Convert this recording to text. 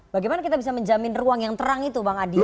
bagaimana kita bisa menjamin ruang yang terang itu bang adi